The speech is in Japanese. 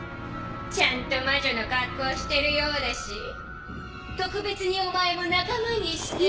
ちゃんと魔女の格好してるようだし特別にお前も仲間にして。